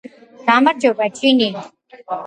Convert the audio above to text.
გამარჯობა ჯინი